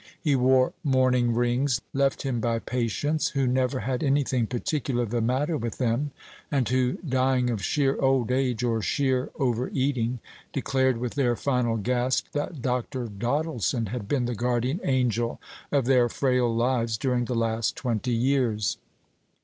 He wore mourning rings left him by patients who never had anything particular the matter with them, and who, dying of sheer old age, or sheer over eating, declared with their final gasp that Dr. Doddleson had been the guardian angel of their frail lives during the last twenty years.